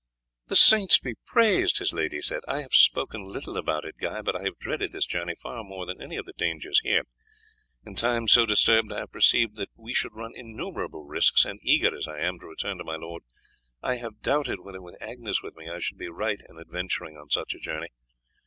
"The saints be praised!" his lady said. "I have spoken little about it, Guy, but I have dreaded this journey far more than any of the dangers here. In times so disturbed I have perceived that we should run innumerable risks, and eager as I am to return to my lord I have doubted whether, with Agnes with me, I should be right in adventuring on such a journey.